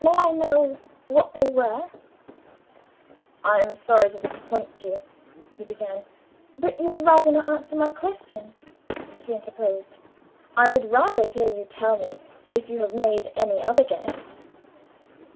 "May I know what they were?" "I am sorry to disappoint you," he began. "But you would rather not answer my question," she interposed. "I would rather hear you tell me if you have made any other guess."